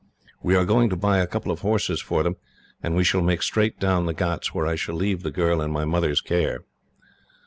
We are going to buy a couple of horses for them, and shall make straight down the ghauts, where I shall leave the girl in my mother's care."